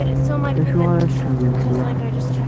D acu ara teččem d imekli?